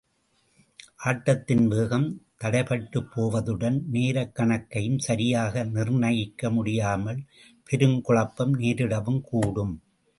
ஆட்டத்தின் வேகம் தடைபட்டுப் போவதுடன், நேரக் கணக்கையும் சரியாக நிர்ணயிக்க முடியாமல் பெருங்குழப்பம் நேரிடவும் கூடும்.